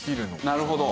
なるほど。